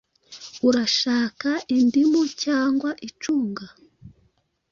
Urashaka indium cyangwa icunga?